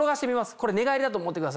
これ寝返りだと思ってください。